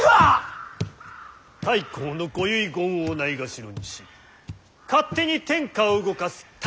太閤のご遺言をないがしろにし勝手に天下を動かす狸。